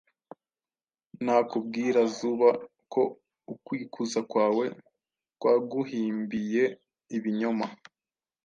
Ntakubwira Zuba ko ukwikuza kwawe kwaguhimbiye ibinyoma!”